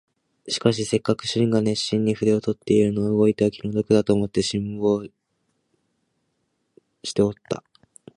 しかしせっかく主人が熱心に筆を執っているのを動いては気の毒だと思って、じっと辛抱しておった